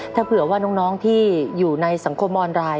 ถ้าเผื่อว่าน้องที่อยู่ในสังคมออนไลน์